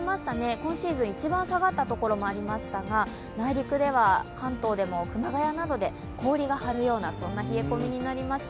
今シーズン一番下がったところもありましたが、内陸では関東でも熊谷などで氷が張るような気温になりました。